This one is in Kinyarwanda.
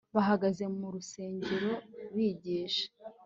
bahagaze mu rusengero bigisha